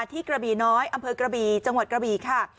กระบี่น้อยอำเภอกระบีจังหวัดกระบี่ค่ะ